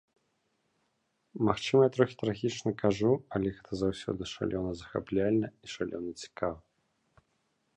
Магчыма, я трохі трагічна кажу, але гэта заўсёды шалёна захапляльна і шалёна цікава.